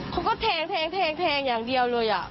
เขาก็แทงแทงอย่างเดียวเลย